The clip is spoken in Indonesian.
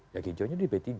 ya hijaunya di p tiga